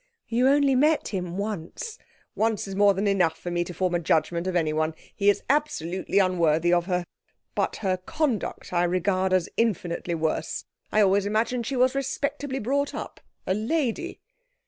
'You only met him once.' 'Once is more than enough for me to form a judgement of anyone. He is absolutely unworthy of her. But her conduct I regard as infinitely worse. I always imagined she was respectably brought up a lady!'